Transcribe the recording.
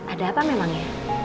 ada apa memang ya